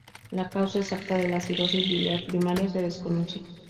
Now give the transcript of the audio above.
La causa exacta de la cirrosis biliar primaria se desconoce.